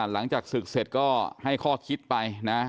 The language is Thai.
หลังจากศึกเสร็จก็ให้ข้อคิดไปนะ